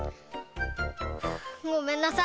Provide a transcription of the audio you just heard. ごめんなさい！